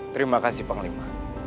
terima kasih panglima